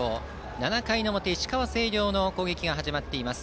７回表、石川・星稜の攻撃が始まっています。